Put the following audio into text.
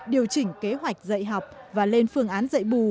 điều chỉnh kế hoạch dạy học và lên phương án dạy bù